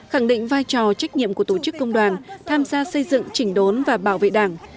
khẳng định vai trò trách nhiệm của tổ chức công đoàn tham gia xây dựng chỉnh đốn và bảo vệ đảng